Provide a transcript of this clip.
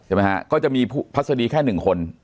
ใช่ไหมครับก็จะมีพรรษดีแค่๑คน